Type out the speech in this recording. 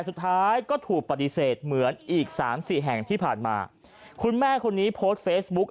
สุดท้ายก็ถูกปฏิเสธเหมือนอีกสามสี่แห่งที่ผ่านมาคุณแม่คนนี้โพสต์เฟซบุ๊ก